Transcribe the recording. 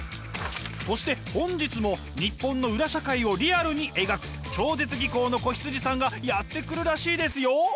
そして本日もニッポンの裏社会をリアルに描く超絶技巧の子羊さんがやって来るらしいですよ！